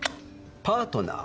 「パートナー」？